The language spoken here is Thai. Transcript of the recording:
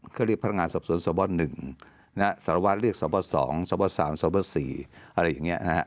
เขาเรียกพนักงานสอบสวนสบ๑สารวัตรเรียกสบ๒สบ๓สบ๔อะไรอย่างนี้นะฮะ